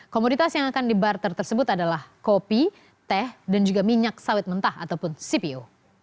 komoditas yang akan dibarter tersebut adalah kopi teh dan juga minyak sawit mentah ataupun cpo